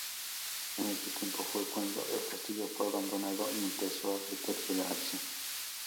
En este tiempo fue cuando el castillo fue abandonado y empezó a deteriorarse.